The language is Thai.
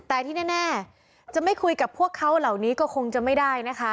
แต่ที่แน่จะไม่คุยกับพวกเขาเหล่านี้ก็คงจะไม่ได้นะคะ